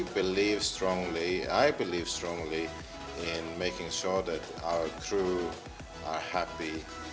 saya sangat yakin dengan memastikan kru kami bahagia